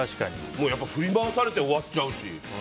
やっぱ振り回されて終わっちゃうし。